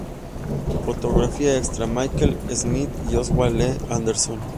Fotografía extra: Mike Smith y Oswald Lee Henderson.